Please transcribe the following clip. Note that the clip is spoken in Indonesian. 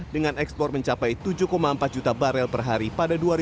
dengan ekspor mencapai tujuh empat juta barel per hari pada dua ribu dua puluh